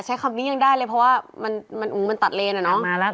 ใช้คำนี้ยังได้เลยเพราะว่ามันมันมันตัดเลน่ะเนอะมาแล้ว